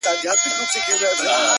• د بېوزلانو په خوله سوې خاوري ,